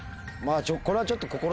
これはちょっと。